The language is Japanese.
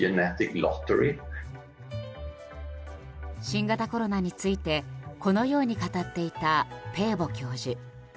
新型コロナについてこのように語っていたペーボ教授。